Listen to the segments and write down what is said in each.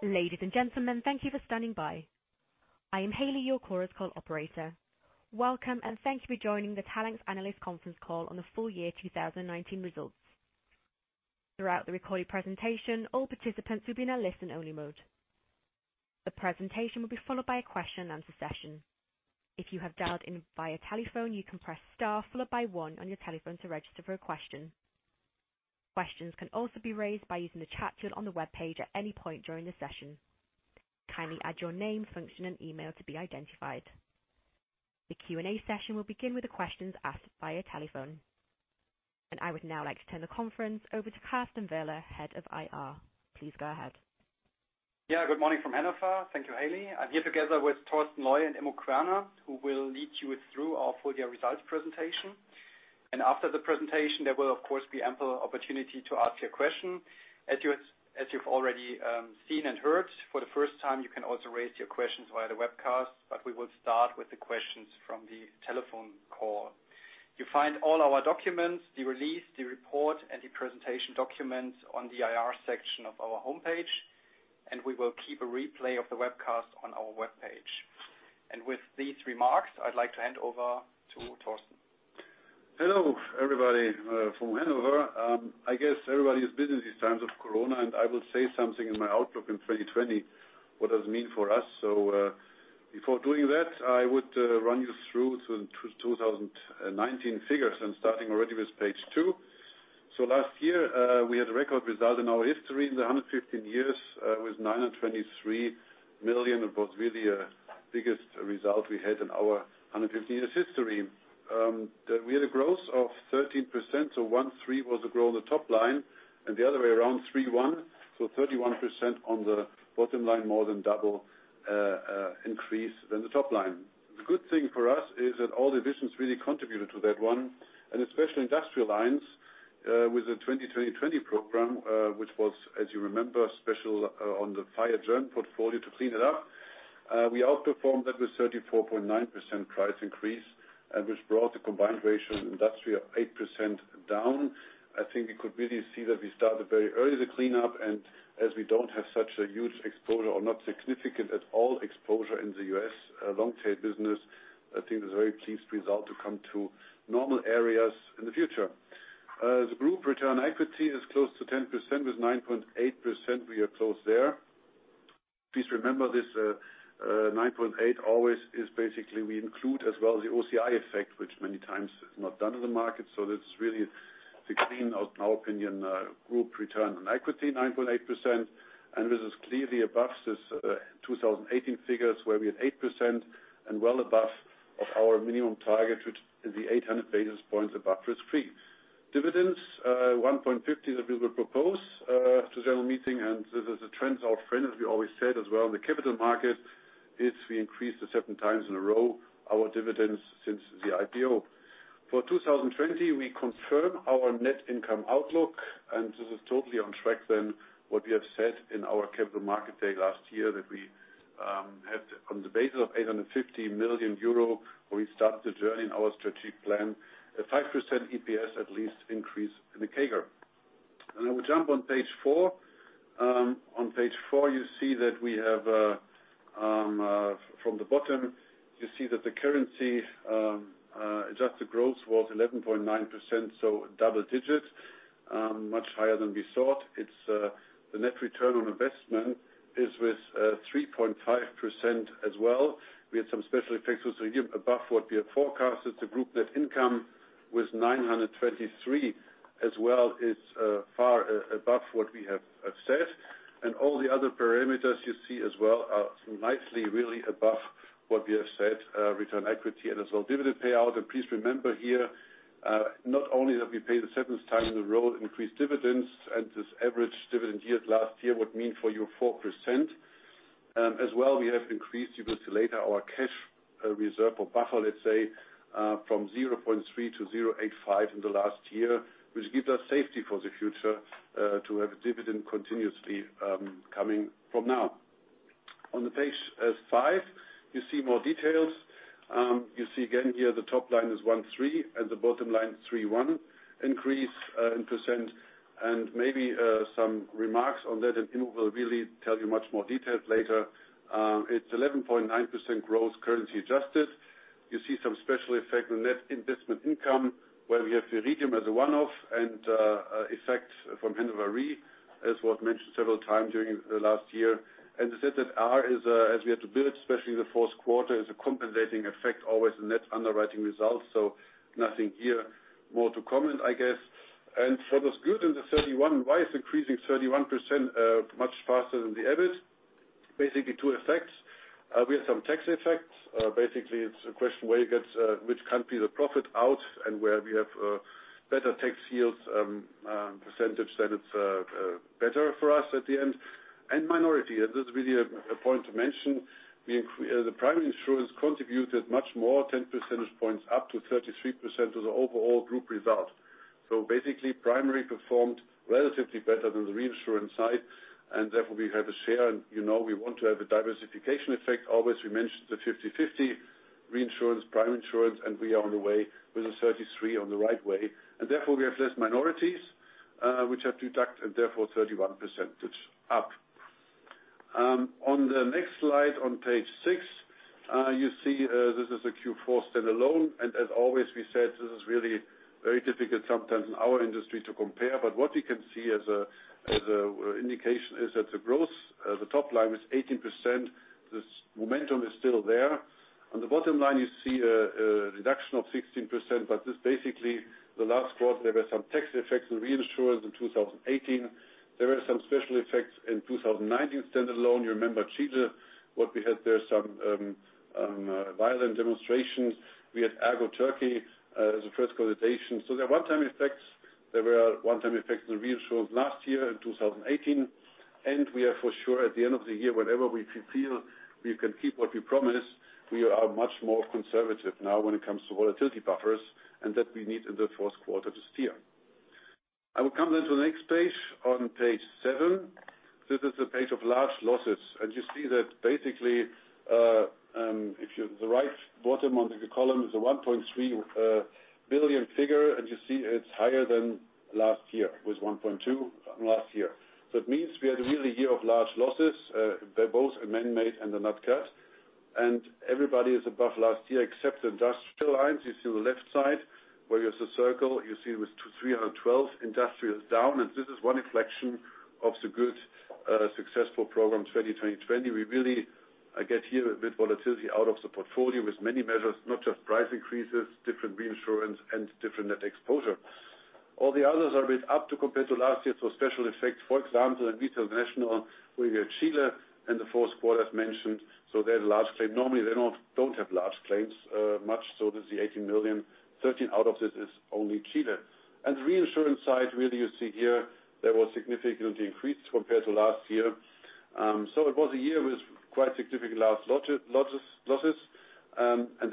Ladies and gentlemen, thank you for standing by. I am Haley, your Chorus Call operator. Welcome, thank you for joining the Talanx analyst conference call on the full year 2019 results. Throughout the recorded presentation, all participants will be in a listen-only mode. The presentation will be followed by a question-and-answer session. If you have dialed in via telephone, you can press star followed by one on your telephone to register for a question. Questions can also be raised by using the chat tool on the webpage at any point during the session. Kindly add your name, function, and email to be identified. The Q&A session will begin with the questions asked via telephone. I would now like to turn the conference over to Carsten Werle, Head of IR. Please go ahead. Good morning from Hanover. Thank you, Haley. I am here together with Torsten Leue and Immo Querner, who will lead you through our full-year results presentation. After the presentation, there will, of course, be ample opportunity to ask your questions. As you have already seen and heard, for the first time, you can also raise your questions via the webcast, but we will start with the questions from the telephone call. You can find all our documents, the release, the report, and the presentation documents on the IR section of our homepage, and we will keep a replay of the webcast on our webpage. With these remarks, I would like to hand over to Torsten. Hello, everybody from Hanover. I guess everybody is busy these times of COVID, and I will say something in my outlook in 2020, what does it mean for us? Before doing that, I would run you through the 2019 figures, and starting already with page two. Last year, we had a record result in our history, in the 115 years, with 923 million. It was really the biggest result we had in our 115-year history. We had a growth of 13%, so 13% was the growth on the top line, and the other way around, 31%, so 31% on the bottom line, more than double the increase than the top line. The good thing for us is that all divisions really contributed to that one, especially Industrial Lines, with the Program 2020, which was, as you remember, special on the fire general portfolio to clean it up. We outperformed that with 34.9% price increase, which brought the combined ratio in Industrial 8% down. I think we could really see that we started very early the cleanup. As we don't have such a huge exposure or not significant at all exposure in the U.S. long-tail business, I think it's a very pleased result to come to normal areas in the future. The group return equity is close to 10%, with 9.8%. We are close there. Please remember this 9.8% always is basically we include as well the OCI effect, which many times is not done in the market. This is really the clean, in our opinion, group return on equity, 9.8%. This is clearly above the 2018 figures, where we had 8% and well above of our minimum target, which is the 800 basis points above risk-free. Dividends, 1.50, that we will propose to the general meeting. This is a trend of friends, as we always said as well in the capital market, is we increased our dividends seven times in a row since the IPO. For 2020, we confirm our net income outlook, this is totally on track than what we have said in our capital market day last year, that we had on the basis of 850 million euro. We start the journey in our strategy plan, a 5% EPS at least increase in the CAGR. I will jump on page four. On page four, from the bottom, you see that the currency-adjusted growth was 11.9%, so double digits, much higher than we thought. The net return on investment is with 3.5% as well. We had some special effects, so again, above what we have forecasted. The group net income was 923 as well, is far above what we have said. All the other parameters you see as well are nicely really above what we have said, return equity, and as well dividend payout. Please remember here, not only that we pay the seventh time in a row increased dividends, and this average dividend yield last year would mean for you 4%. As well, we have increased, you will see later, our cash reserve or buffer, let's say, from 0.3% to 0.85% in the last year, which gives us safety for the future to have dividends continuously coming from now. On page five, you see more details. You see again here the top line is 13% and the bottom line 31% increase. Maybe some remarks on that, Immo will really tell you much more details later. It's 11.9% growth, currency adjusted. You see some special effect on net investment income, where we have Viridium as a one-off and effects from Hannover Re, as was mentioned several times during the last year. The [SSN R], as we had to build, especially in the fourth quarter, is a compensating effect always in net underwriting results. Nothing here more to comment, I guess. For the 31%, why is increasing 31% much faster than the EBIT? Basically, two effects. We have some tax effects. It's a question where you get which country gets the profit out and where we have a better tax yield percentage, then it's better for us at the end. Minority, and this is really a point to mention. The primary insurance contributed much more, 10 percentage points up to 33% of the overall group result. Primary performed relatively better than the reinsurance side, and therefore, we have a share, and you know we want to have a diversification effect always. We mentioned the 50/50 reinsurance, primary insurance, and we are on the way with a 33% on the right way. Therefore, we have less minorities, which are deduct and therefore 31% up. On the next slide, on page six, you see this is a Q4 stand-alone. As always, we said this is really very difficult sometimes in our industry to compare, but what we can see as an indication is that the growth, the top line, is 18%. This momentum is still there. On the bottom line, you see a reduction of 16%, but this is basically the last quarter; there were some tax effects on reinsurance in 2018. There were some special effects in 2019. Standalone, you remember Chile, what we had there, some violent demonstrations. We had ERGO Turkey as the first quotation. They're one-time effects. There were one-time effects in the reinsurance last year in 2018, and we are for sure at the end of the year. Whenever we feel we can keep what we promised, we are much more conservative now when it comes to volatility buffers, and that we need in the first quarter to steer. I will come to the next page, on page seven. This is a page of large losses. You see that basically, the bottom-right of the column is a 1.3 billion figure, and you see it's higher than last year. It was 1.2 last year. It means we had a really a year of large losses. They're both man-made, and they're not cut. Everybody is above last year except Industrial Lines. You see on the left side where there's a circle, you see with 312 Industrial is down, and this is one reflection of the good, successful Program 2020. We really, I get here a bit of volatility out of the portfolio with many measures, not just price increases, different reinsurance, and different net exposure. All the others are a bit up to compared to last year. Special effects, for example, in Retail International, where you have Chile in the fourth quarter, as mentioned. They had a large claim. Normally, they don't have large claims, much so this, the 18 million. 13 out of this is only Chile. On the Reinsurance side, really, you see here, there was significantly increased compared to last year. It was a year with quite significant large losses.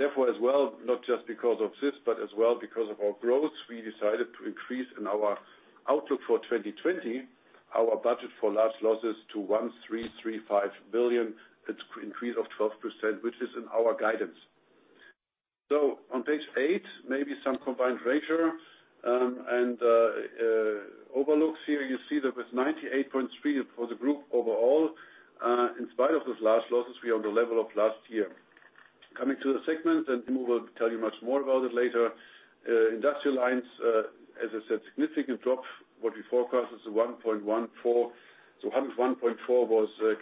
Therefore, as well, not just because of this, but as well because of our growth, we decided to increase in our outlook for 2020, our budget for large losses to 1,335 million. It's an increase of 12%, which is in our guidance. On page eight, maybe some combined ratio. Overlooks here, you see that with 98.3% for the group overall, in spite of those large losses, we are on the level of last year. Coming to the segment, Immo will tell you much more about it later. Industrial Lines, as I said, significant drop. What we forecast is 101.4%. 101.4%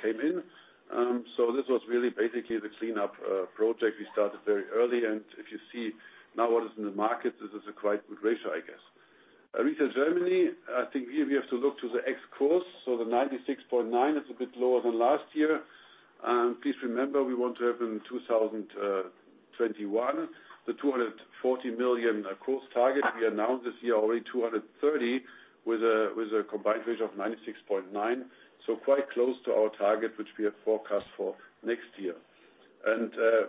came in. This was really basically the cleanup project we started very early. If you see now what is in the market, this is quite a good ratio, I guess. Retail Germany, I think here we have to look to the ex-cost. The 96.9% is a bit lower than last year. Please remember, we want to have in 2021, the 240 million cost target. We announced this year already 230 with a combined ratio of 96.9%. Quite close to our target, which we have forecast for next year.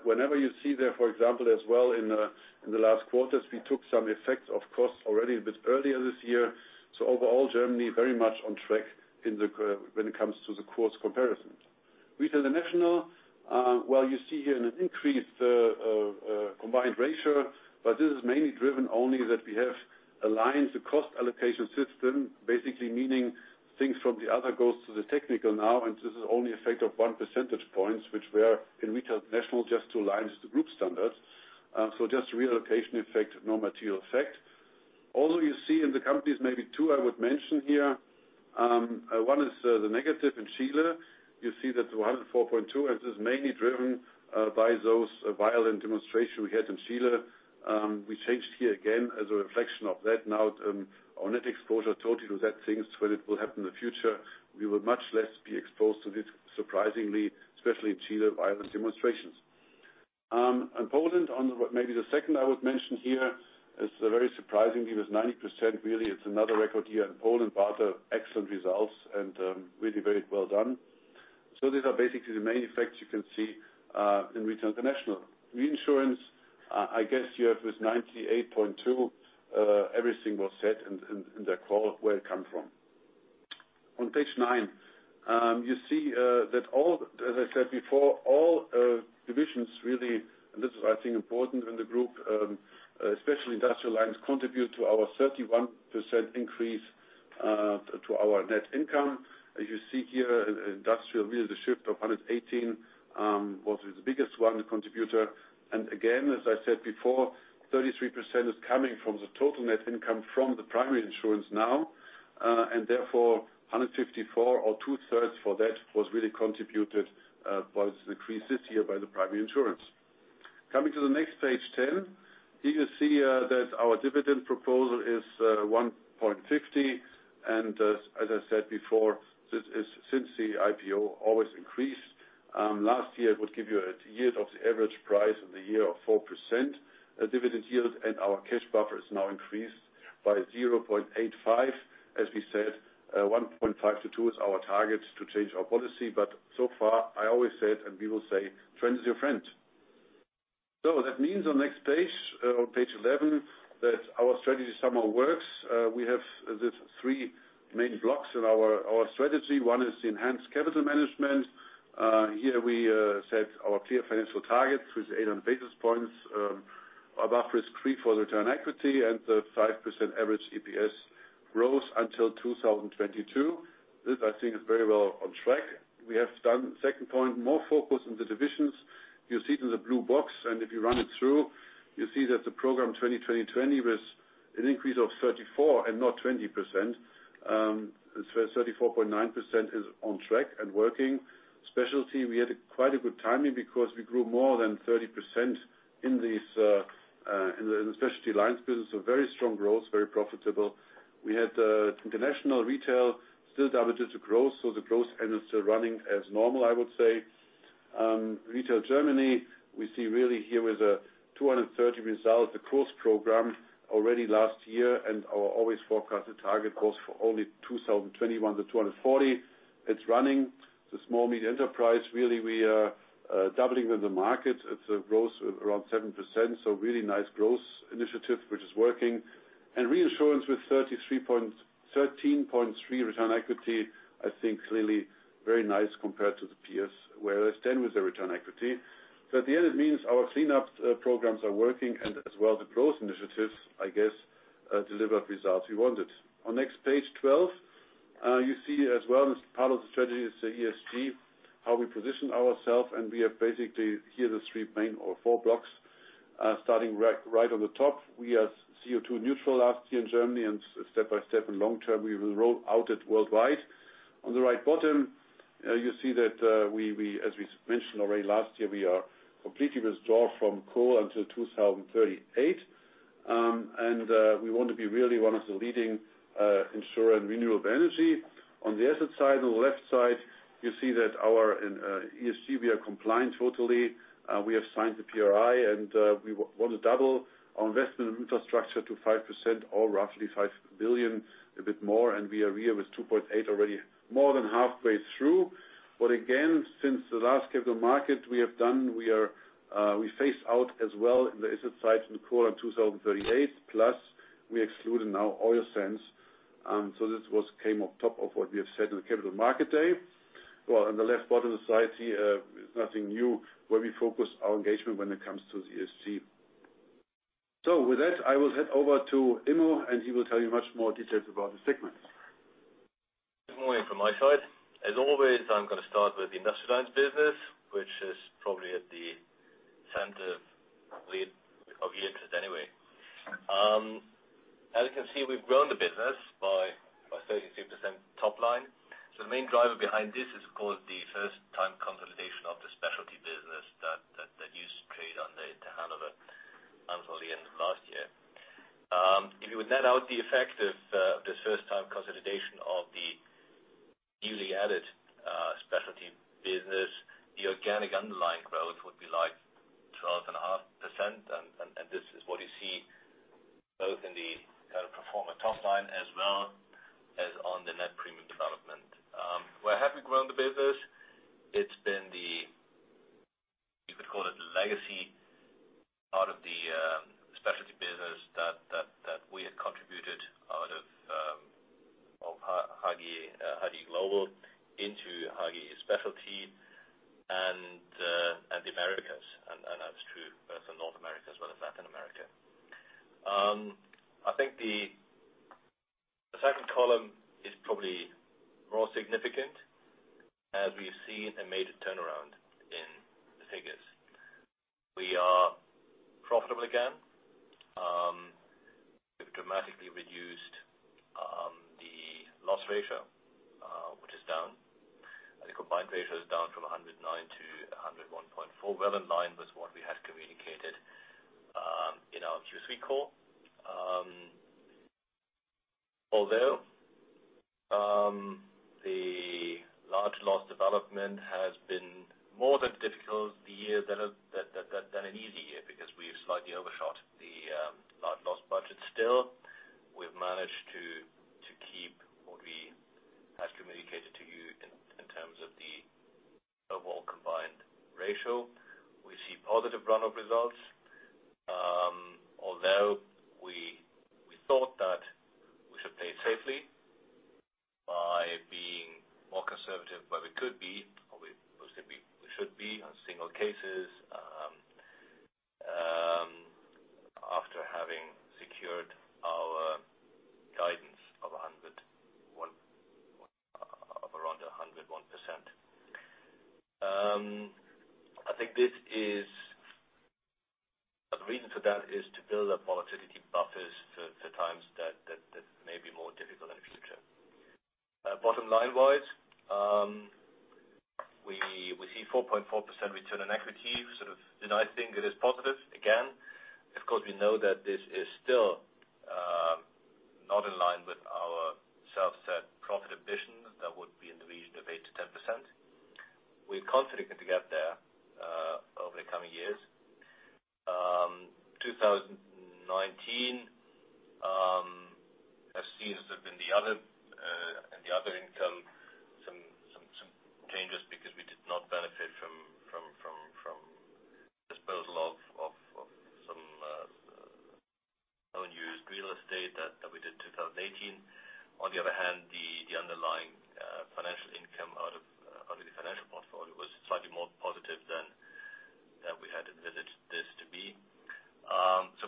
Whenever you see there, for example, as well in the last quarters, we took some effects, of course, already a bit earlier this year. Overall, Germany is very much on track when it comes to the course comparisons. Retail International, well, you see here an increased combined ratio, but this is mainly driven only that we have aligned the cost allocation system, basically meaning things from the other goes to the technical now, and this is only effect of one percentage points, which we are in Retail International just to align to the group standards. Just reallocation effect, no material effect. Although you see in the companies, maybe two I would mention here. One is the negative in Chile. You see that the 104.2%, and this is mainly driven by those violent demonstrations we had in Chile. We changed here again as a reflection of that. Our net exposure totally to that things when it will happen in the future, we will be much less exposed to this, surprisingly, especially in Chile, violent demonstrations. Poland, on maybe the second, I would mention here, is very surprisingly was 90%. Really, it's another record here in Poland. Excellent results and really very well done. These are basically the main effects you can see in Retail International. Reinsurance, I guess here with 98.2%, everything was said in the call where it comes from. On page nine, you see that all, as I said before, all divisions, really, and this is, I think, important in the group, especially Industrial Lines, contribute to our 31% increase to our net income. As you see here, industrial really was the biggest contributor to the shift of EUR 118. Again, as I said before, 33% is coming from the total net income from the primary insurance now. Therefore, 154 or 2/3 for that was really contributed by the increases here by the primary insurance. Coming to the next page 10. Here you see that our dividend proposal is 1.50, and as I said before, since the IPO, always increased. Last year, it would give you a yield of the average price of the year of 4% dividend yield, and our cash buffer is now increased by 0.85. As we said, 1.5 to 2 is our target to change our policy. So far, I have always said, and we will say, trend is your friend. That means on the next page, on page 11, that our strategy somehow works. We have these three main blocks in our strategy. One is enhanced capital management. Here we set our clear financial targets with 800 basis points above risk-free for return on equity and the 5% average EPS growth until 2022. This, I think, is very well on track. We have done the second point, more focus on the divisions. You see it in the blue box. If you run it through, you see that Program 2020 with an increase of 34% and not 20%, 34.9% is on track and working. Specialty, we had quite a good timing because we grew more than 30% in the specialty lines business. Very strong growth, very profitable. We had International Retail still double-digit growth. The growth and it's still running as normal, I would say. Retail Germany, we see really here with a 230 result, the course program already last year, and our always forecasted target goes for only 2021 to 240. It's running. The small to medium enterprise, we are really doubling in the market. It's a growth of around 7%, so really nice growth initiative, which is working. Reinsurance with 13.3% return equity, I think clearly very nice compared to the peers, where I stand with the return equity. At the end, it means our cleanup programs are working, and as well, the growth initiatives, I guess, delivered the results we wanted. On next page 12, you see as well as part of the strategy, ESG is how we position ourselves, and we are basically here the three main or four blocks. Starting right on the top, we are CO2 neutral last year in Germany. Step by step, in the long term, we will roll it out worldwide. On the right bottom, you see that as we mentioned already last year, we are completely withdrawing from coal until 2038. We want to be really one of the leading insurers in renewable energy. On the asset side, on the left side, you see that our in ESG we are compliant totally. We have signed the PRI. We want to double our investment in infrastructure to 5% or roughly 5 billion, a bit more; we are here with 2.8 already, more than halfway through. Again, since the last Capital Market we have done, we phase out as well in the asset side in the quarter of 2038, plus we excluded now oil sands. This came up on top of what we have said in the Capital Market Day. Well, on the left bottom side here is nothing new, where we focus our engagement when it comes to ESG. With that, I will hand over to Immo, and he will tell you much more details about the segments. Good morning from my side. I'm going to start with the Industrial Lines business, which is probably at the center of the interest anyway. We've grown the business by 33% top line. The main driver behind this is, of course, the first time consolidation of the specialty business that used to trade under Hannover Re until the end of last year. If you would net out the effect of this first-time consolidation of the newly added specialty business, the organic underlying growth would be like 12.5%, and this is what you see both in the kind of pro forma top line as well as on the net premium development. Where have we grown the business? It's been the, you could call it the legacy part of the specialty business that we had contributed out of HDI Global into HDI Global Specialty and the Americas. That's true both in North America as well as Latin America. I think the second column is probably more significant, as we've seen and made a turnaround in the figures. We are profitable again. We've dramatically reduced the loss ratio, which is down. The combined ratio is down from 109% to 101.4%. Well, in line with what we had communicated in our Q3 call. The large loss development has been more than difficult this year than an easy year, because we've slightly overshot the large loss budget. We've managed to keep what we had communicated to you in terms of the overall combined ratio. We see positive run-off results. We thought that we should play it safely by being more conservative, where we could be, or we mostly should be on single cases, after having secured our guidance of around 101%. I think the reason for that is to build up volatility buffers for times that may be more difficult in the future. Bottom line-wise, we see 4.4% return on equity, sort of, and I think it is positive again. Of course, we know that this is still not in line with our self-set profit ambitions. That would be in the region of 8%-10%. We're confident to get there over the coming years. 2019, as seen, has been the other income, some changes, because we did not benefit from disposal of some unused real estate that we did in 2018. On the other hand, the underlying financial income out of the financial portfolio was slightly more positive than we had envisaged this to be.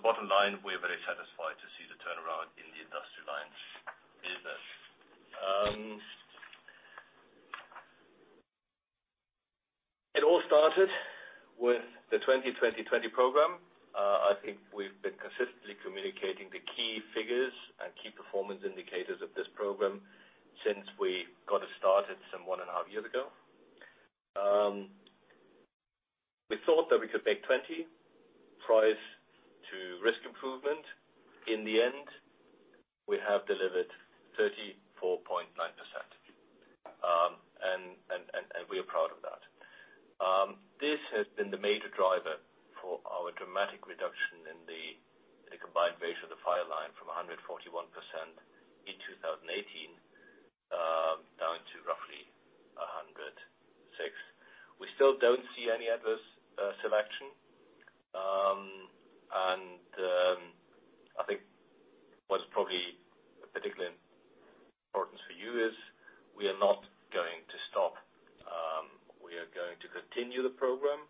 Bottom line, we're very satisfied to see the turnaround in the Industrial Lines business. It all started with the 2020 program. I think we've been consistently communicating the key figures and key performance indicators of this program since we got it started some one and a half years ago. We thought that we could make 2020 price to risk improvement. In the end, we have delivered 34.9%, and we are proud of that. This has been the major driver for our dramatic reduction in the combined ratio of the fire line from 141% in 2018, down to roughly 106%. We still don't see any adverse selection. I think what's probably particularly important for you is that we are not going to stop. We are going to continue the program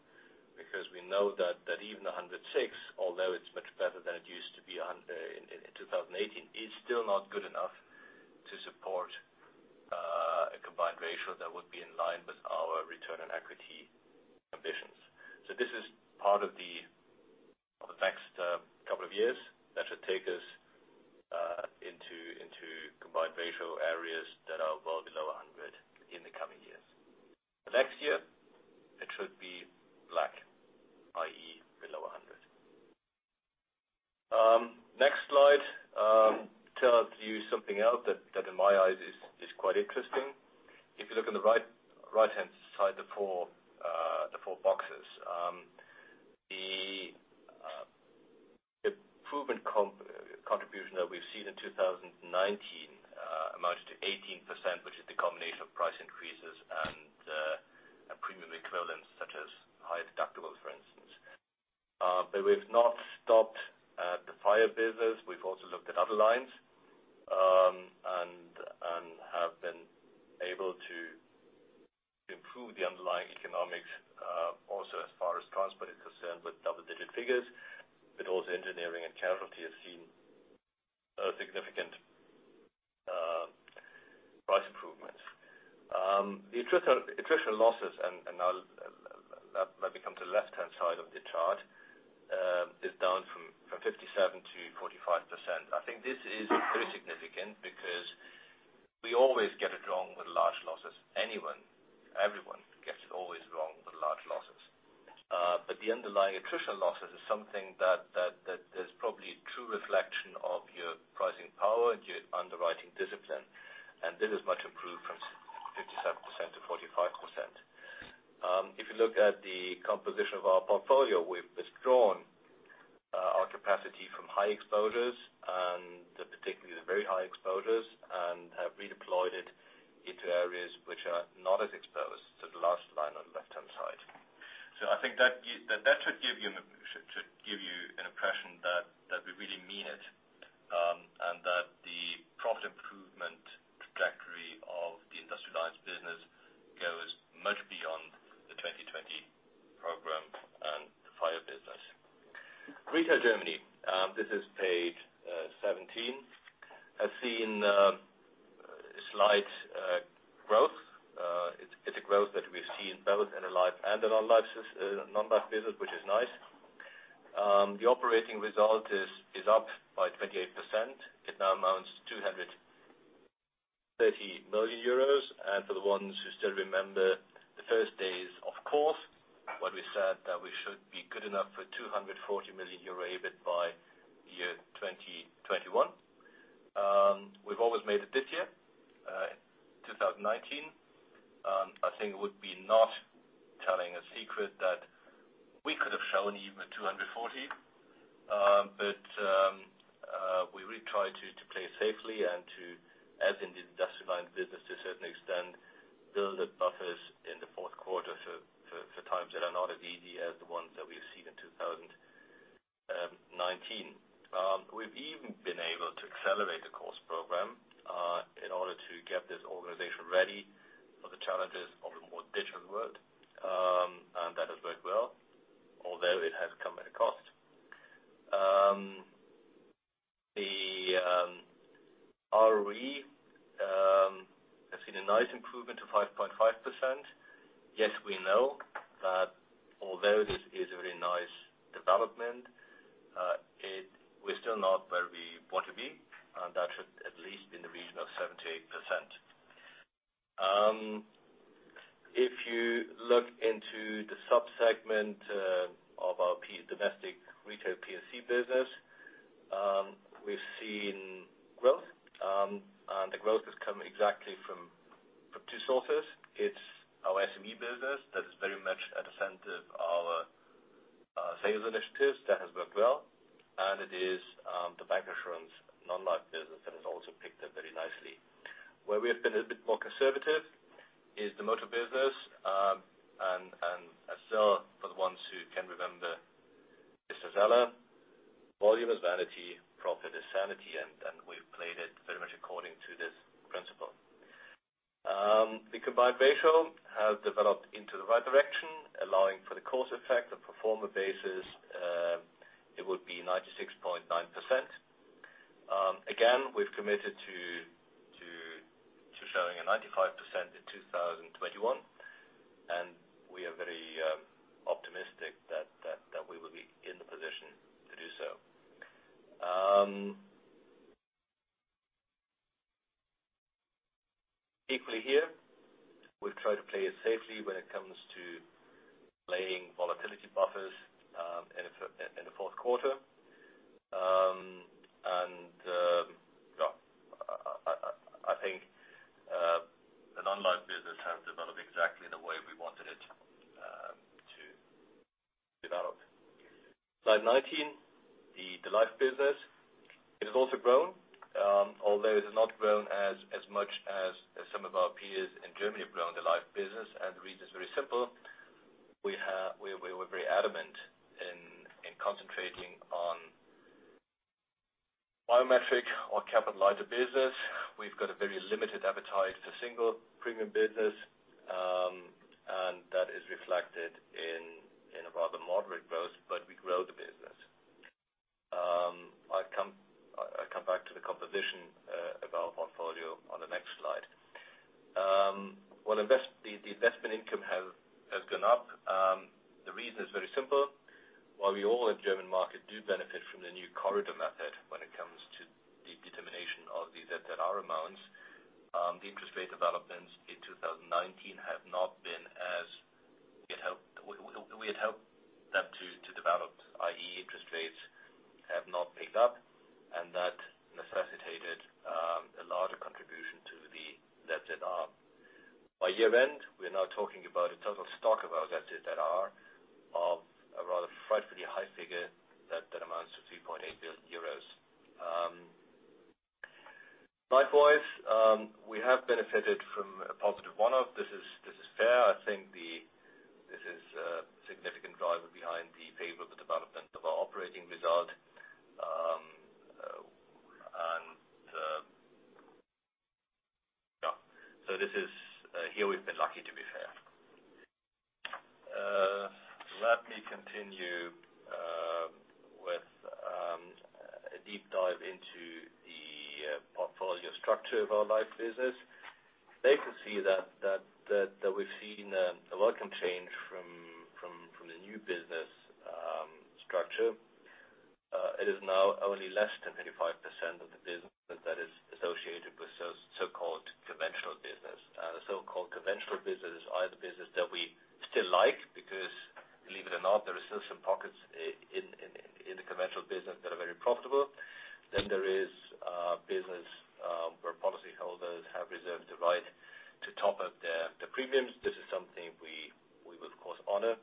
because we know that even 106%, although it's much better than it used to be in 2018, is still not good enough to support a combined ratio that would be in line with our return on equity ambitions. This is part of the next couple of years that should take us into combined ratio areas that are well below 100 in the coming years. The next year, it should be black, i.e., below 100. Next slide tells you something else that, in my eyes, is quite interesting. If you look on the right-hand side, the four boxes. The improvement contribution that we've seen in 2019 amounts to 18%, which is the combination of price increases and premium equivalents, such as high deductibles, for instance. We've not stopped at the fire business. We've also looked at other lines, and have been able to improve the underlying economics, also as far as transport is concerned, with double-digit figures, but also engineering and casualty has seen a significant price improvement. The attritional losses, now I come to the left-hand side of the chart, is down from 57% to 45%. I think this is very significant because we always get it wrong with large losses. Anyone, everyone gets it always wrong with large losses. The underlying attritional losses is something that is probably a true reflection of your pricing power and your underwriting discipline. This is much improved from 57% to 45%. If you look at the composition of our portfolio, we've withdrawn our capacity from high exposures and particularly the very high exposures, and have redeployed it into areas which are not as exposed, so the last line on the left-hand side. I think that should give you an impression that we really mean it, and that the profit improvement trajectory of the Industrial Lines business goes much beyond the 2020 Program and the fire business. Retail Germany. This is page 17. Has seen slight growth. It's a growth that we've seen both in life and non-life business, which is nice. The operating result is up by 28%. It now amounts to 230 million euros. For the ones who still remember the first days of course, when we said that we should be good enough for 240 million euro EBIT by the year 2021. We've almost made it this year, 2019. I think it would not be telling a secret that we could have shown even 240. We really try to play safely and to, as in the Industrial Lines business, to a certain extent, build up buffers in the fourth quarter for times that are not as easy as the ones that we've seen in 2019. We've even been able to accelerate the course program in order to get this organization ready for the challenges of a more digital world. That has worked well, although it has come at a cost. The ROE has seen a nice improvement of 5.5%. Yes, we know that although this is a very nice development, we're still not where we want to be. That should at least be in the region of 78%. If you look into the sub-segment of our domestic retail P&C business, we've seen growth. The growth has come exactly from two sources. It's our SME business that is very much at the center of our sales initiatives. That has worked well. It is the bank's insurance non-life business that has also picked up very nicely. Where we have been a bit more conservative is the motor business. Remember, Mr. Zeller, volume is vanity, profit is sanity. We've played it very much according to this principle. The combined ratio has developed into the right direction, allowing for the cost effect. On a pro forma basis, By year-end, we are now talking about a total stock of our ZZR of a rather frightfully high figure that amounts to 3.8 billion euros. Likewise, we have benefited from a positive one-off. This is fair. I think this is a significant driver behind the favorable development of our operating result. Here we've been lucky, to be fair. Let me continue with a deep dive into the portfolio structure of our life business. There, you can see that we've seen a welcome change from the new business structure. It is now only less than 25% of the business that is associated with so-called conventional business. So-called conventional businesses are the businesses that we still like because, believe it or not, there are still some pockets in the conventional business that are very profitable. There is a business where policyholders have reserved the right to top up their premiums. This is something we will, of course, honor.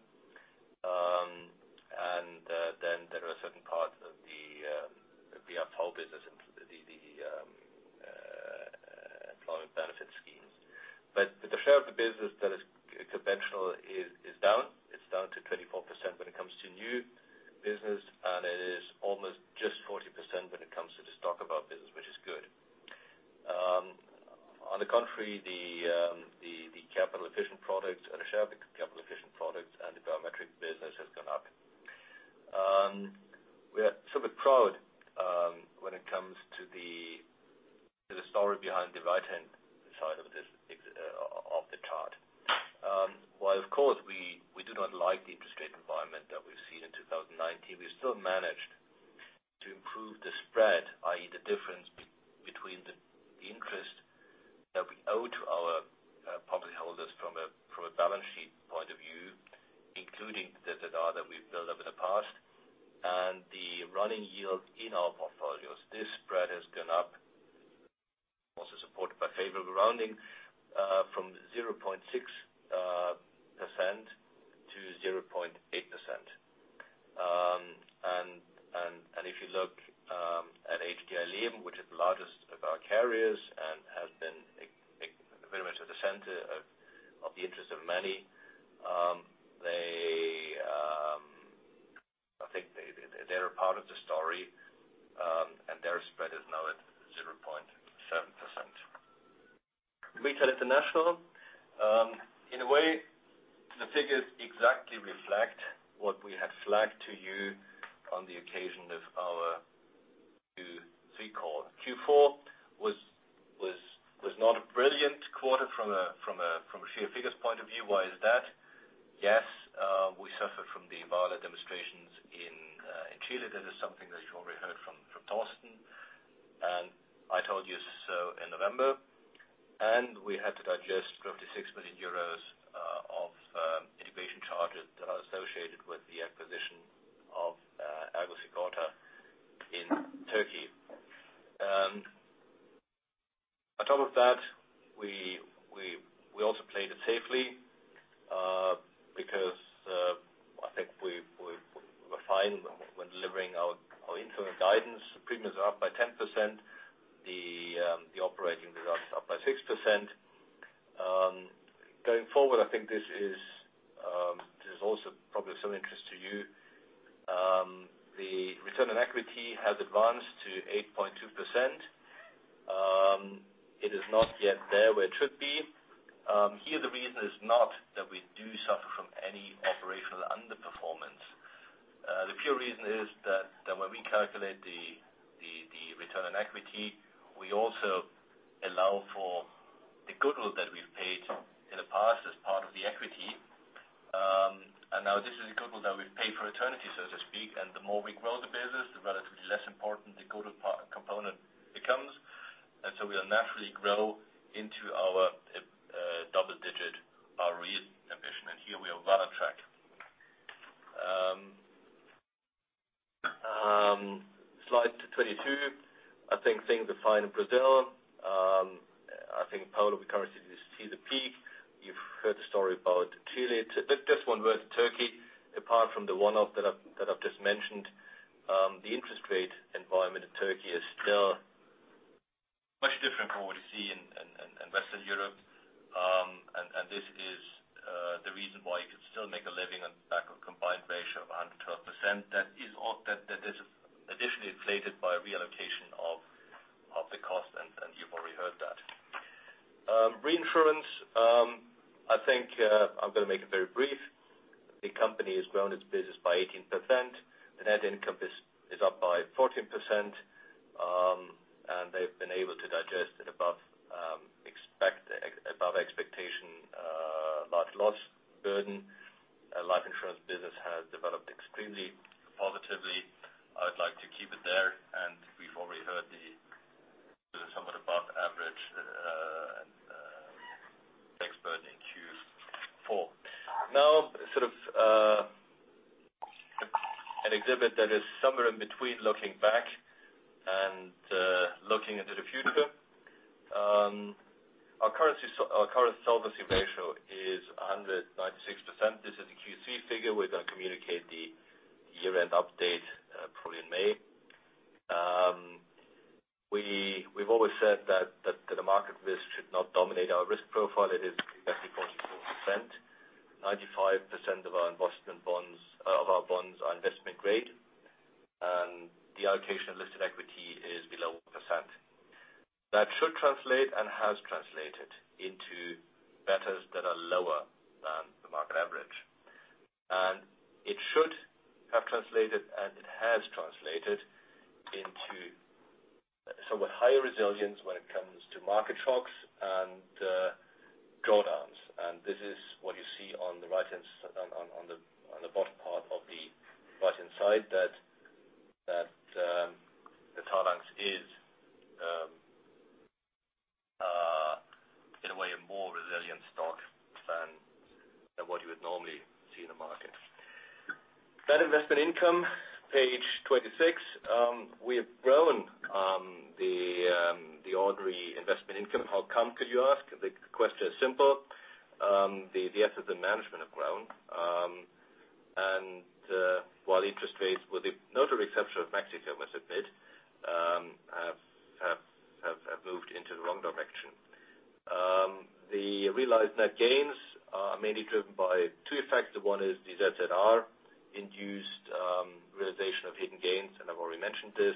There are certain parts of the whole business, the employment benefit schemes. The share of the business that is conventional is down. It's down to 24% when it comes to new business, and it is almost just 40% when it comes to the stock of our business, which is good. On the contrary, the We had to digest 46 million euros of integration charges that are associated with the acquisition of ERGO Sigorta in Turkey. On top of that, we also played it safely. I think we were fine when delivering our interim guidance. Premiums are up by 10%, the operating results are up by 6%. Going forward, I think this is also probably of some interest to you. The return on equity has advanced to 8.2%. It is not yet there where it should be. Here, the reason is not that we do suffer from any operational underperformance. The pure reason is that when we calculate the return on equity, we also allow for the goodwill that we've paid in the past as part of the equity. This is a goodwill that we pay for eternity, so to speak. The more we grow the business, the relatively less important the goodwill component becomes. We'll naturally grow into our double-digit ROE ambition. Here we are well on track. Slide 22. I think things are fine in Brazil. I think in Poland, we currently see the peak. You've heard the story about Chile. Just one word, Turkey. Apart from the one-off that I've just mentioned, the interest rate environment in Turkey is still much different from what we see in Western Europe. This is the reason why you could still make a living on the back of a combined ratio of 112%. That is additionally inflated by reallocation of the cost, you've already heard that. Reinsurance. I think I'm going to make it very brief. The company has grown its business by 18%, net income is up by 14%, they've been able to digest at above expectations, a large loss burden. Life insurance business has developed extremely positively. I would like to keep it there. We've already heard the somewhat above-average tax burden in Q4. Sort of an exhibit that is somewhere in between looking back and looking into the future. Our current solvency ratio is 196%. This is a Q3 figure. We're going to communicate the year-end update probably in May. We've always said that the market risk should not dominate our risk profile. It is currently 24%. 95% of our bonds are investment-grade, and the allocation of listed equity is below 1%. That should translate and has translated into betas that are lower than the market average. It should have translated, and it has translated into somewhat higher resilience when it comes to market shocks and drawdowns. This is what you see on the bottom part of the right-hand side, that Talanx is, in a way, a more resilient stock than what you would normally see in the market. Investment income, page 26. We have grown the ordinary investment income. How come, could you ask? The question is simple. The assets under management have grown. While interest rates, with the notable exception of Mexico, I must admit, have moved into the wrong direction. The realized net gains are mainly driven by two effects. One is the ZZR-induced realization of hidden gains, and I've already mentioned this.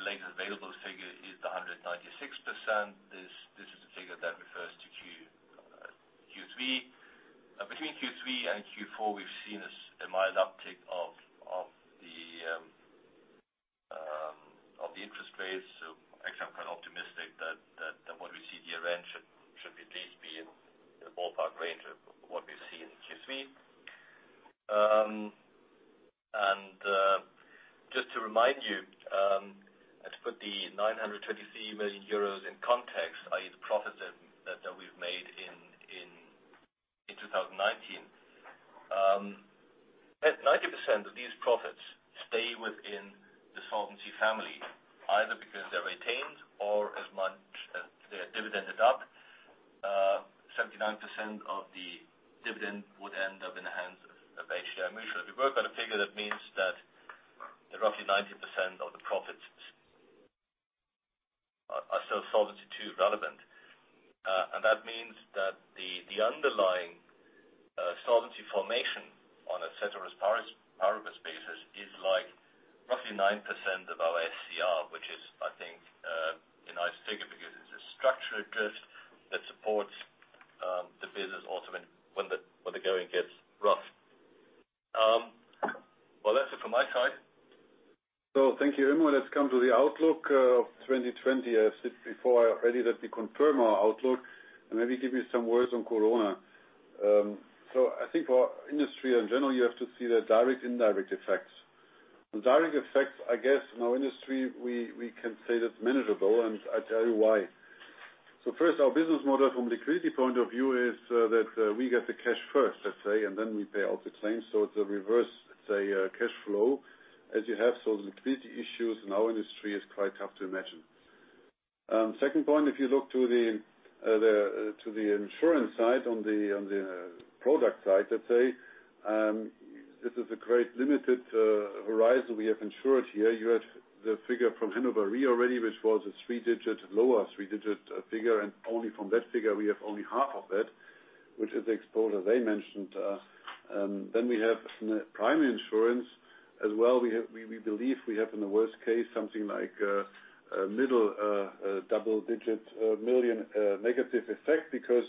Latest available figure is the 196%. This is the figure that refers to Q3. Between Q3 and Q4, we've seen a mild uptick of the interest rates. Actually, I'm quite optimistic that what we see year-end should at least be in the ballpark range of what we see in Q3. Just to remind you, and to put the 923 million euros in context, i.e., the profit that we've made in 2019. 90% of these profits stay within the solvency family, either because they're retained. 79% of the dividend would end up in the hands of HDI Mutual. If you work out a figure, that means that roughly 90% of the profits are still Solvency II relevant. That means that the underlying solvency formation on a ceteris paribus basis is roughly 9% of our SCR, which is, I think, a nice figure because it's a structural drift that supports the business also when the going gets rough. Well, that's it from my side. Thank you, Immo. Let's come to the outlook of 2020. I said before already that we confirm our outlook and maybe give you some words on corona. I think for our industry in general, you have to see the direct and indirect effects. The direct effects, I guess, in our industry, we can say that's manageable, and I tell you why. First, our business model from a liquidity point of view is that we get the cash first, let's say, and then we pay out the claim. It's a reverse, let's say, cash flow as you have. Liquidity issues in our industry is quite tough to imagine. Second point, if you look to the insurance side, on the product side, let's say, this is a great limited horizon we have insured here. You had the figure from Hannover Re already, which was a lower three-digit figure. Only from that figure, we have only half of it, which is the exposure they mentioned. We have primary insurance as well. We believe we have, in the worst case, something like a middle double-digit million negative effect because,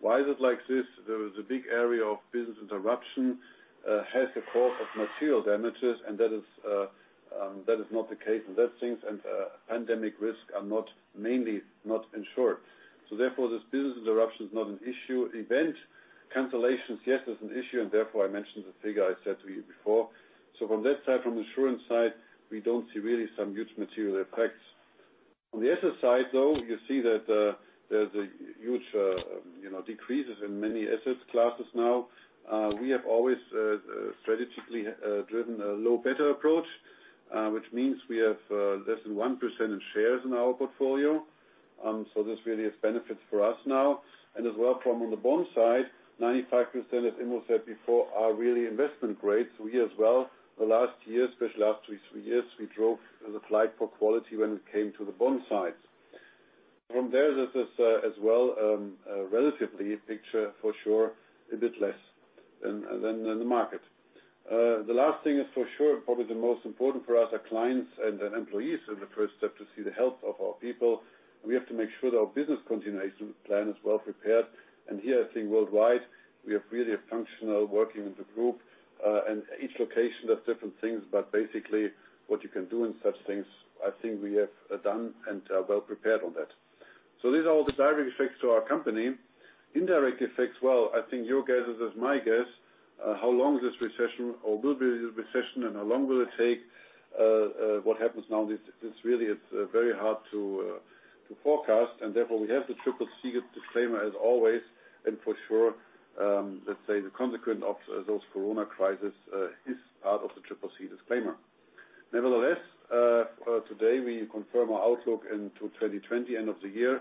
why is it like this? There is a big area of business interruption, has the cause of material damages, and that is not the case. Those things and pandemic risk are mainly not insured. Therefore, this business interruption is not an issue. Event cancellations, yes, is an issue, and therefore, I mentioned the figure I said to you before. From that side, from the insurance side, we don't see really some huge material effects. On the asset side, though, you see that there are huge decreases in many asset classes now. We have always strategically driven a low-beta approach. We have less than 1% in shares in our portfolio. This really benefits for us now. As well from on the bond side, 95%, as Immo said before, are really investment grade. Here as well, the last year, especially last three years, we drove the flight for quality when it came to the bond side. From there, this is as well, relatively picture for sure, a bit less than the market. The last thing is for sure, and probably the most important for us, are clients and then employees in the first step to see the health of our people. We have to make sure that our business continuation plan is well prepared. Here, I think worldwide, we have a really functional working with the group. Each location does different things. Basically, what you can do in such things, I think we have done and are well prepared on that. These are all the direct effects to our company. Indirect effects, well, I think your guess is as my guess. How long is this recession, or will it be this recession, and how long will it take? What happens now is really very hard to forecast, and therefore, we have the CCC disclaimer as always. For sure, let's say, the consequence of the coronavirus crisis is out of the CCC disclaimer. Nevertheless, today we confirm our outlook into 2020, end of the year.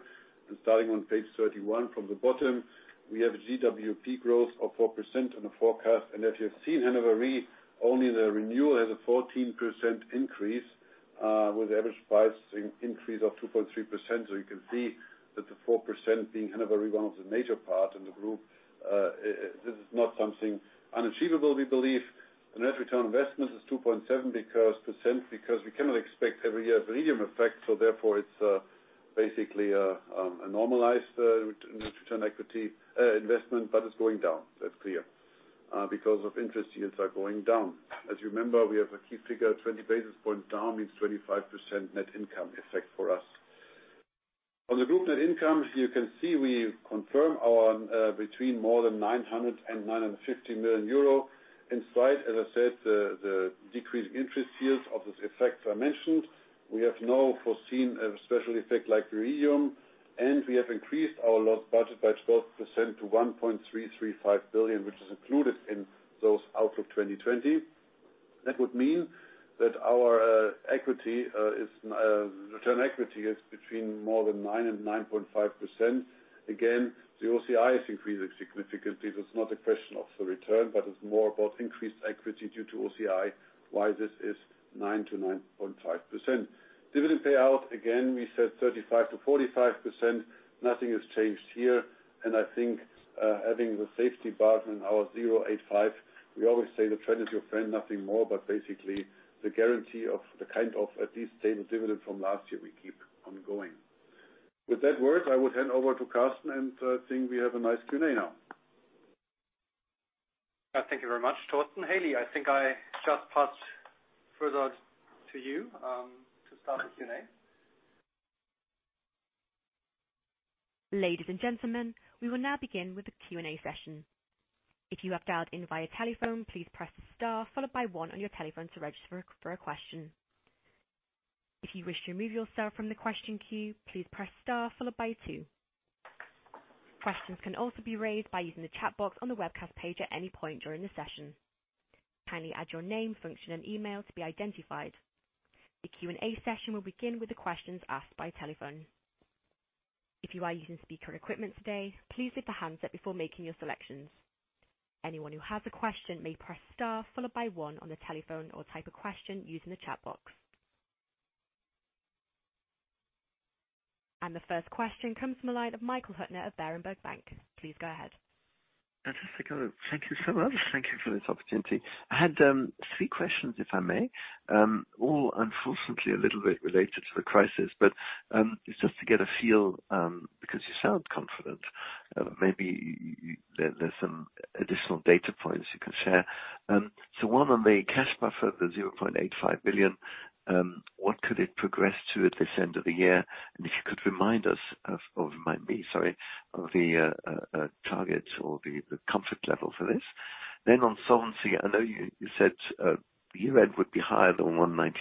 Starting on page 31 from the bottom, we have GWP growth of 4% on the forecast. As you have seen, Hannover Re only the renewal has a 14% increase, with an average price increase of 2.3%. You can see that the 4% being Hannover Re is one of the major part in the group, this is not something unachievable, we believe. The net return on investment is 2.7% because we cannot expect a Viridium effect every year. Therefore, it's basically a normalized return equity investment, but it's going down. That's clear. Because of interest, yields are going down. As you remember, we have a key figure, 20 basis points down, means 25% net income effect for us. On the group net income, you can see we confirm between more than 900 million euro and 950 million euro. Inside, as I said, the decreased interest yields of those effects I mentioned. We have no foreseen special effect like Viridium, and we have increased our loss budget by 12% to 1.335 billion, which is included in those outlook 2020. That would mean that our return on equity is between more than 9% and 9.5%. The OCI is increasing significantly. That's not a question of the return, but it's more about increased equity due to OCI. Why this is 9% to 9.5%? Dividend payout, again, we said 35% to 45%. Nothing has changed here. I think, having the safety button, our 0.85%, we always say the trend is your friend, nothing more. Basically, the guarantee of the kind of at least the same dividend from last year, we keep on going. With that word, I would hand over to Carsten, and I think we have a nice Q&A now. Thank you very much, Torsten. Haley, I think I will just pass further to you to start the Q&A. Ladies and gentlemen, we will now begin with the Q&A session. If you have dialed in via telephone, please press star followed by one on your telephone to register for a question. If you wish to remove yourself from the question queue, please press star followed by two. Questions can also be raised by using the chat box on the webcast page at any point during the session. Kindly add your name, function, and email to be identified. The Q&A session will begin with the questions asked by telephone. If you are using speaker equipment today, please lift the handset before making your selections. Anyone who has a question may press star followed by one on the telephone or type a question using the chat box. The first question comes from the line of Michael Huttner of Berenberg Bank. Please go ahead. Thank you so much. Thank you for this opportunity. I had three questions, if I may. All unfortunately, a little bit related to the crisis, it's just to get a feel, because you sound confident. Maybe there are some additional data points you can share. One on the cash buffer, the 0.85 billion. What could it progress to at this end of the year? If you could remind us of, remind me, sorry, of the target or the comfort level for this. On Solvency, I know you said year-end would be higher than 196%.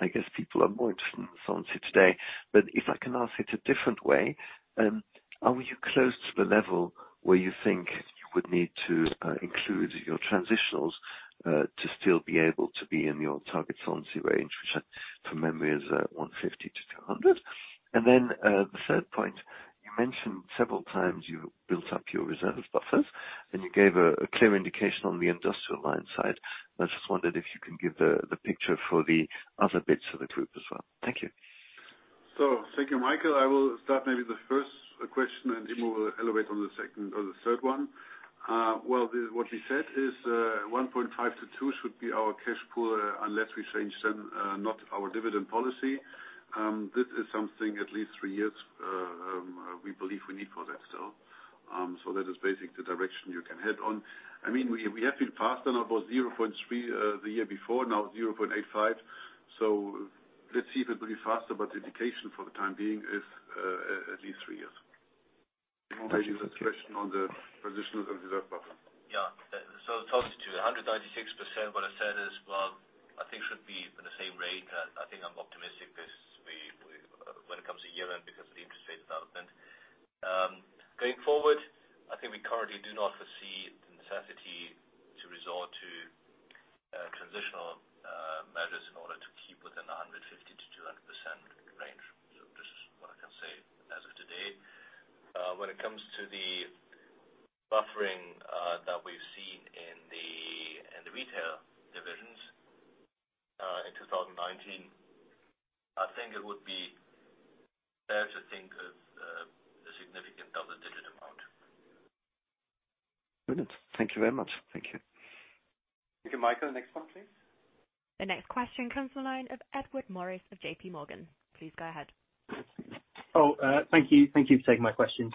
I guess people are more interested in solvency today. If I can ask it a different way, are you close to the level where you think you would need to include your transitionals to still be able to be in your target Solvency range, which from memory is 150%-200%? The third point, you mentioned several times, you built up your reserve buffers, and you gave a clear indication on the Industrial Lines side. I just wondered if you could give the picture for the other bits of the group as well. Thank you. Thank you, Michael. I will start maybe the first question, Immo will elevate on the second or the third one. What he said is 1.5%-2% should be our cash pool, unless we change then not our dividend policy. This is something at least three years, we believe we still need it. That is basically the direction you can head on. We have been faster, about 0.3% the year before, now 0.85%. Let's see if it will be faster, but the indication for the time being is at least three years. Immo, maybe the question on the transitionals and reserve buffer. Yeah. Solvency II 196%, what I said is, I think it should be at the same rate. I think I'm optimistic when it comes to year-end because of the interest rate development. Going forward, I think we currently do not foresee the necessity to resort to transitional measures in order to keep within the 150%-200% range. This is what I can say as of today. When it comes to the buffering that we've seen in the retail divisions in 2019, I think it would be fair to think of a significant double-digit amount. Brilliant. Thank you very much. Thank you. Thank you. Michael, next one, please. The next question comes from the line of Edward Morris of JPMorgan. Please go ahead. Thank you. Thank you for taking my questions.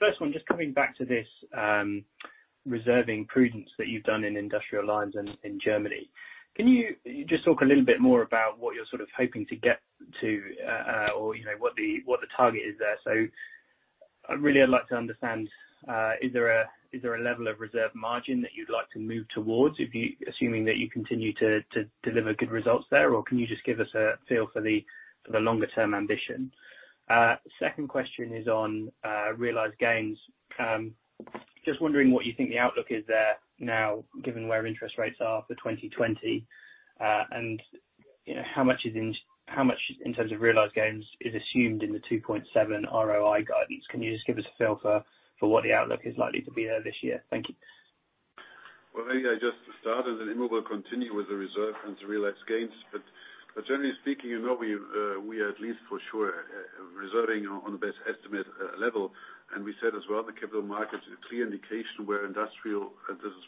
First one, just coming back to this reserving prudence that you've done in Industrial Lines and in Germany. Can you just talk a little bit more about what you're sort of hoping to get to or what the target is there? Really, I'd like to understand, is there a level of reserve margin that you'd like to move towards, assuming that you continue to deliver good results there? Can you just give us a feel for the longer-term ambition? Second question is on realized gains. Just wondering what you think the outlook is there now, given where interest rates are for 2020. How much in terms of realized gains is assumed in the 2.7% ROI guidance? Can you just give us a feel for what the outlook is likely to be there this year? Thank you. Well, maybe I just start, and then Immo will continue with the reserve and the realized gains. Generally speaking, we are at least for sure reserving on the best estimate level. We said as well, the capital markets is a clear indication where Industrial Lines, and this is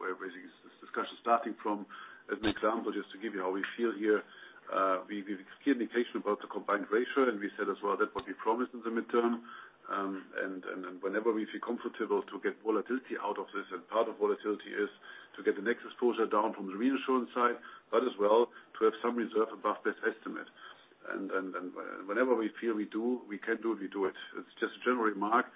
where this discussion starting from. As an example, just to give you how we feel here. We have a clear indication about the combined ratio, and we said as well that what we promised in the midterm. Whenever we feel comfortable to get volatility out of this, and part of volatility is to get the next exposure down from the reinsurance side, but as well to have some reserve above best estimate. Whenever we feel we can do, we do it. It's just a general remark.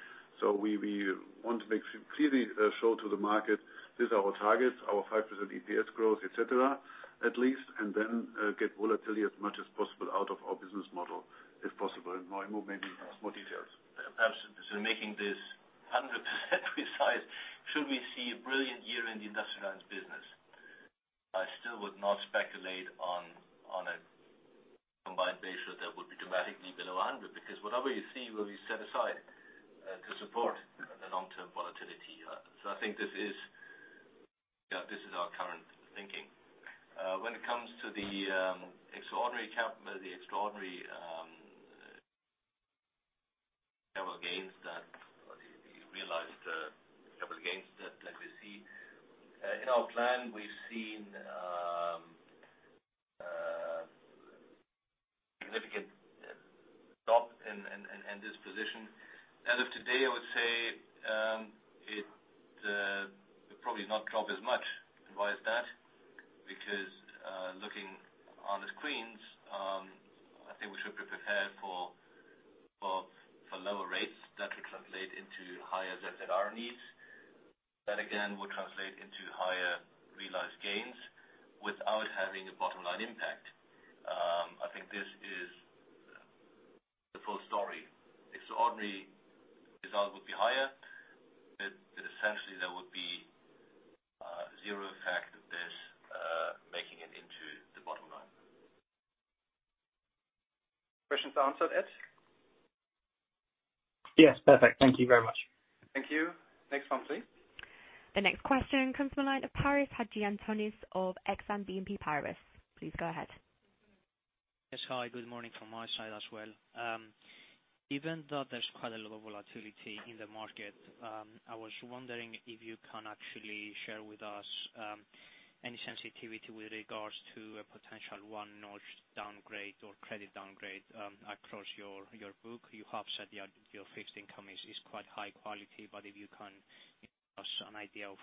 We want to clearly show to the market these are our targets, our 5% EPS growth, et cetera, at least, and then get volatility as much as possible out of our business model, if possible. Immo maybe has more details. Perhaps making this 100% precise, we should see a brilliant year in the Industrial Lines business. I still would not speculate on a combined ratio that would be dramatically below 100%, because whatever you see will be set aside to support the long-term volatility. I think this is our current thinking. When it comes to the extraordinary capital, the extraordinary level gains that, or the realized capital gains that we see. In our plan, we've seen a significant drop in this position. As of today, I would say it will probably not drop as much. Why is that? Looking on the screens, I think we should be prepared for lower rates that will translate into higher ZZR needs. That, again, will translate into higher realized gains without having a bottom-line impact. I think this is the full story. Extraordinary, result would be higher, but essentially there would be zero effect of this making it into the bottom line. Questions answered, Ed? Yes. Perfect. Thank you very much. Thank you. Next one, please. The next question comes from the line of Paris Hadjiantonis of Exane BNP Paribas. Please go ahead. Yes. Hi, good morning from my side as well. Even though there's quite a lot of volatility in the market, I was wondering if you could actually share with us any sensitivity with regard to a potential one-notch downgrade or credit downgrade across your book. You have said your fixed income is quite high quality. If you can give us an idea of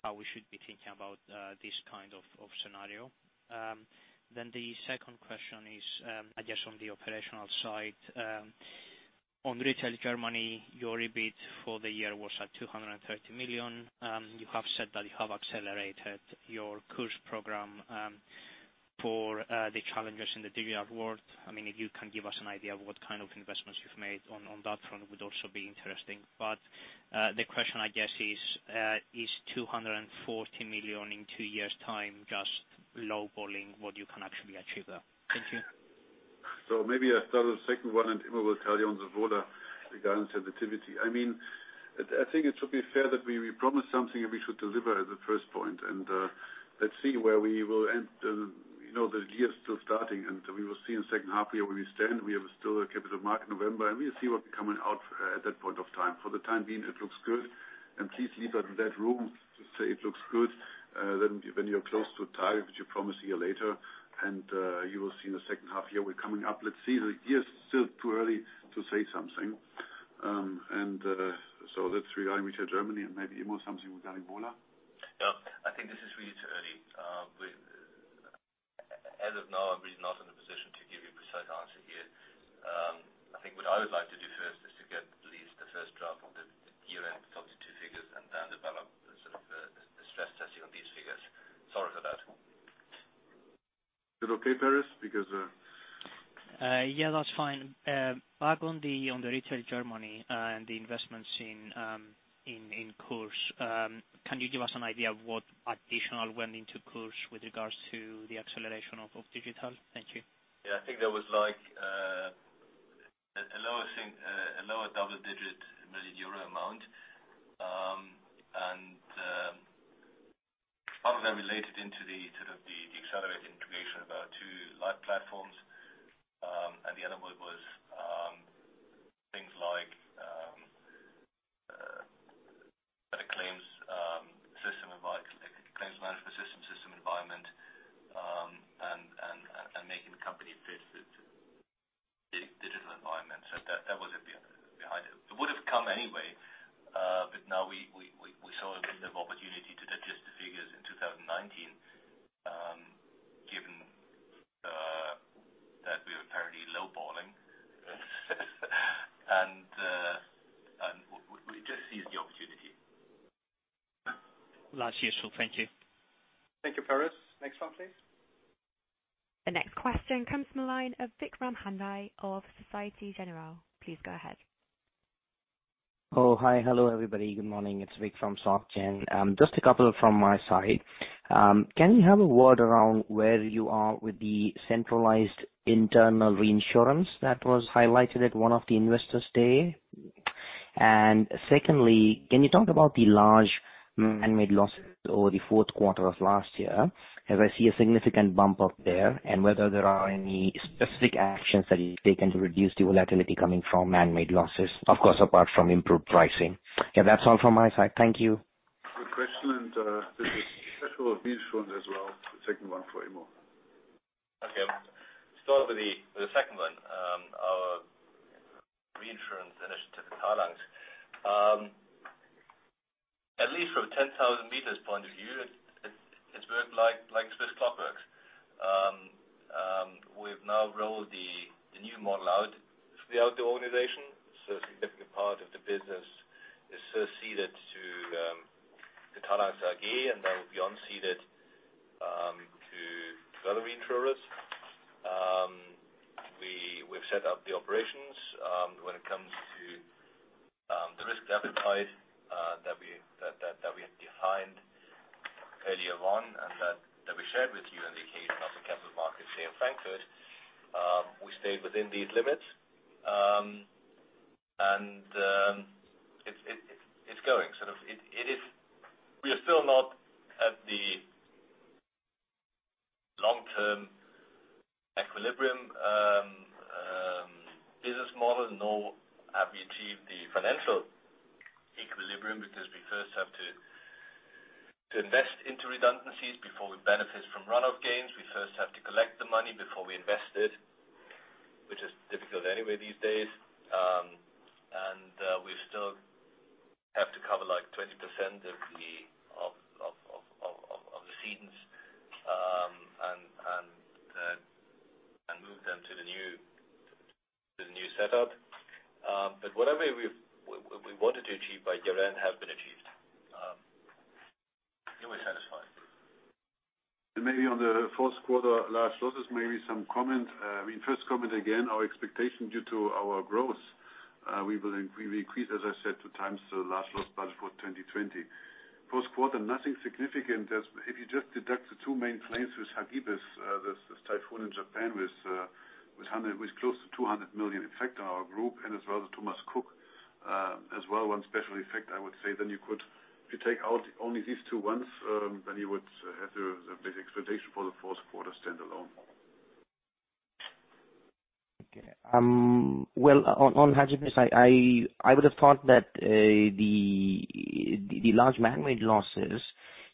how we should be thinking about this kind of scenario. The second question is, I guess, on the operational side. On Retail Germany, your EBIT for the year was at 230 million. You have said that you have accelerated your course program for the challenges in the digital world. If you can give us an idea of what kind of investments you've made on that front, it would also be interesting. The question, I guess, is 240 million in two years time, just low-balling what you can actually achieve there? Thank you. Maybe I can start with the second one, and Immo will tell you on the Vola regarding sensitivity. I think it should be fair that we promise something and we should deliver as a first point, and let's see where we will end. The year is still starting, and we will see in the second half of the year where we stand. We still have a capital market in November, and we'll see what will be coming out at that point of time. For the time being, it looks good. Please leave that room to say it looks good than when you're close to a target which you promise a year later. You will see in the second half of the year, we're coming up. Let's see. The year is still too early to say something. That's regarding Retail Germany, and maybe Immo something regarding Vola. Yeah. I think this is really too early. As of now, I'm really not in a position to give you a precise answer here. I think what I would like to do first is to get at least the first draft of the year-end 2022 figures, and then develop the sort of stress testing on these figures. Sorry for that. Is it okay, Paris? Because. Yeah, that's fine. Back on the Retail Germany and the investments in course, can you give us an idea of what additional went into the course with regards to the acceleration of digital? Thank you. Yeah. I think there was a lower double-digit million euro amount. Part of that related into the sort of the accelerated integration of our two life platforms. The other part was things like a better claims system environment, a claims management system environment, and making the company fit the digital environment. That was behind it. It would have come anyway. Now we saw a window of opportunity to adjust the figures in 2019, given that we were fairly low-balling. We just seized the opportunity. That's useful. Thank you. Thank you, Paris. Next one, please. The next question comes from the line of [Vikram Handai] of Societe Generale. Please go ahead. Oh, hi. Hello, everybody. Good morning. It's Vikram from Soc Gen. Just a couple from my side. Can you have a word around where you are with the centralized internal reinsurance that was highlighted at one of the Investors Days? Secondly, can you talk about the large manmade losses over the fourth quarter of last year, as I see a significant bump up there, and whether there are any specific actions that you've taken to reduce the volatility coming from manmade losses, of course, apart from improved pricing? That's all from my side. Thank you. Good question. This is special reinsurance as well. The second one for Immo. Okay. Start with the second one. Our reinsurance initiative with Talanx. At least from 10,000 m point of view, it's worked like Swiss clockworks. We've now rolled the new model out through the outdoor organization, so a significant part of the business is ceded to Talanx AG, and that will be ceded to further reinsurers. We've set up the operations. When it comes to the risk appetite that we had defined earlier on, and that we shared with you in the case of the capital markets here in Frankfurt, we stayed within these limits. It's going. We are still not at the long-term equilibrium business model, nor have we achieved the financial equilibrium, because we first have to invest into redundancies before we benefit from run-off gains. We first have to collect the money before we invest it, which is difficult anyway these days. We still have to cover 20% of the cedents and move them to the new setup. Whatever we wanted to achieve by year-end has been achieved. Maybe on the fourth quarter large losses, maybe some comment. We first comment again, our expectation due to our growth, we will increase, as I said, 2x the large loss budget for 2020. First quarter, nothing significant. If you just deduct the two main claims with Hagibis, this typhoon in Japan with close to 200 million affects our group and as well the Thomas Cook as well, one special effect, I would say, then you could, if you take out only these two ones, then you would have the basic expectation for the fourth quarter standalone. Okay. Well, on Hagibis, I would have thought that the large manmade losses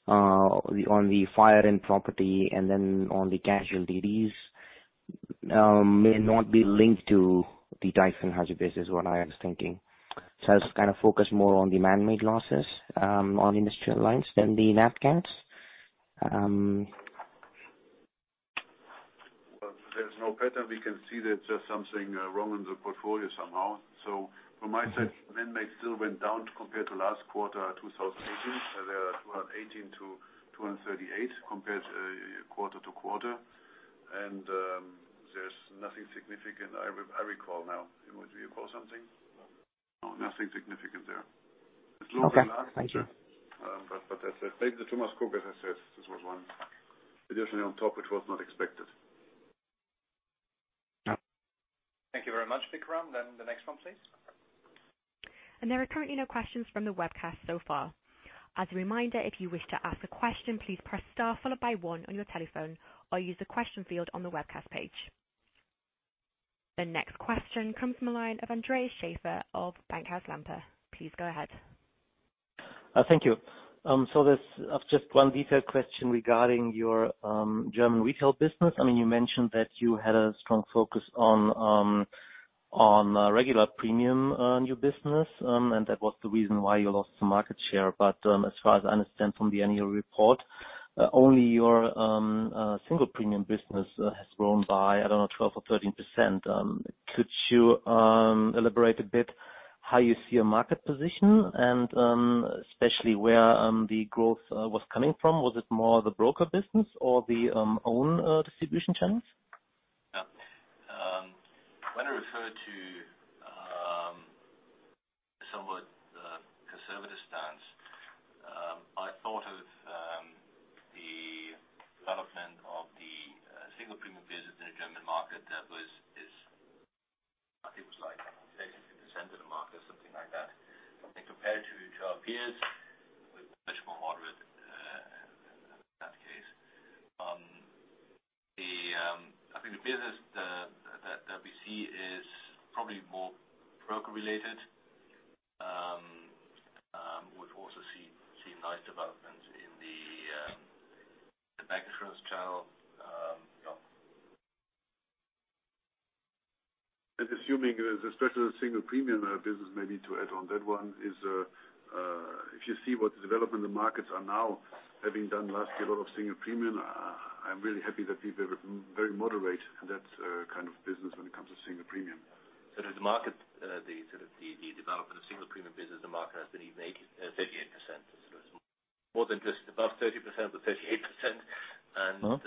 on the fire and property, and then on the casualties, may not be linked to the Typhoon Hagibis, is what I was thinking. I was kind of focused more on the manmade losses, on Industrial Lines, than the nat cats. Well, there's no pattern we can see. There's just something wrong in the portfolio somehow. From my side, manmade still went down compared to last quarter, 2018. There are 218-238 compared quarter-to-quarter. There's nothing significant I recall now. Do you recall something? No. No, nothing significant there. Okay, thank you. It's low compared to last year. As I said, maybe the Thomas Cook, as I said, this was one additional on top, which was not expected. Yeah. Thank you very much, Vikram. The next one, please. There are currently no questions from the webcast so far. As a reminder, if you wish to ask a question, please press star followed by one on your telephone or use the question field on the webcast page. The next question comes from the line of Andreas Schäfer of Bankhaus Lampe. Please go ahead. Thank you. There's just one detailed question regarding your Retail Germany business. You mentioned that you had a strong focus on regular premiums in your business, and that was the reason why you lost the market share. As far as I understand from the annual report, only your single premium business has grown by, I don't know, 12% or 13%. Could you elaborate a bit on how you see your market position and especially where the growth was coming from? Was it more the broker business or the own distribution channels? Yeah. When I referred to a somewhat conservative stance, I thought of the development of the single premium business in the German market that was, I think, it was like 32% of the market, something like that. Compared to our peers, we're much more moderate in that case. I think the business that we see is probably more broker-related. We've also seen nice developments in the bank insurance channel. Yeah. Assuming, especially the single premium business, maybe to add on that one, is if you see what the development of the markets are now, having done a lot of single premium last year, I'm really happy that we were very moderate in that kind of business when it comes to single premium. Did the market, the development of single premium business in the market has been 38%, more than just above 30%, but 38%.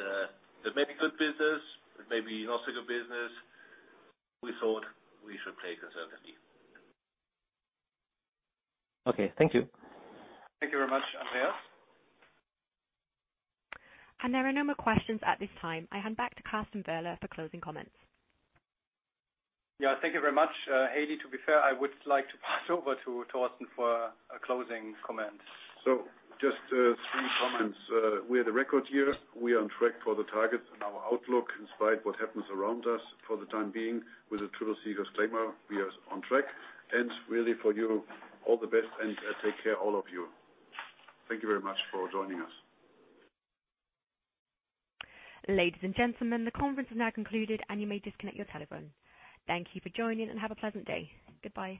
There may be good business. There may not be so good business. We thought we should play conservatively. Okay. Thank you. Thank you very much, Andreas. There are no more questions at this time. I hand back to Carsten Werle for closing comments. Yeah. Thank you very much. Haley, to be fair, I would like to pass over to Torsten for a closing comment. Just a few comments. We had a record year. We are on track for the targets in our outlook, in spite of what happens around us for the time being. With a true disclaimer, we are on track. Really, for you, all the best, and take care, all of you. Thank you very much for joining us. Ladies and gentlemen, the conference is now concluded, and you may disconnect your telephone. Thank you for joining, and have a pleasant day. Goodbye.